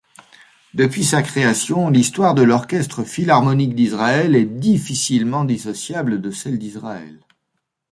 Depuis sa création, l'histoire de l'Orchestre philharmonique d'Israël est difficilement dissociable de celle d'Israël.